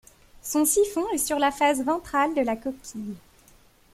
Son siphon est sur la face ventrale de la coquille.